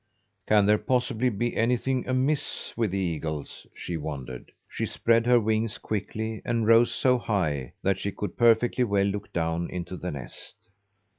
"Can there possibly be anything amiss with the eagles?" she wondered. She spread her wings quickly, and rose so high that she could perfectly well look down into the nest.